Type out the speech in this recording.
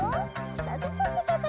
ササササササ！